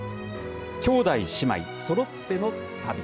兄弟姉妹そろっての旅。